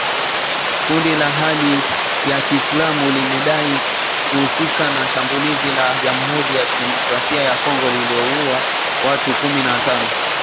Kundi la Hali ya kiislamu limedai kuhusika na shambulizi la jamuhuri ya kidemokrasia ya Kongo lililouwa watu kumi na tano